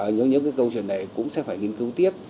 những cái câu chuyện này cũng sẽ phải nghiên cứu tiếp